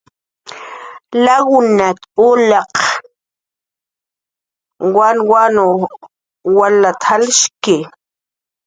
"Lakunat"" ulaq wanwan wals walayki"